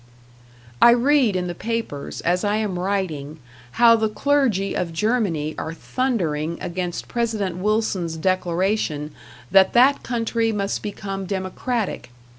I read in the papers, as I am writing, how the clergy of Germany are thundering against President Wilson's declaration that that country must become democratic.